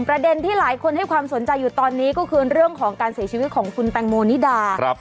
ประเด็นที่หลายคนให้ความสนใจอยู่ตอนนี้ก็คือเรื่องของการเสียชีวิตของคุณแตงโมนิดา